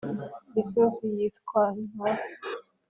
gisozi yitwantora